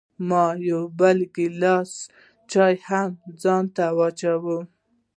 ما یو بل ګیلاس چای هم ځان ته واچوه.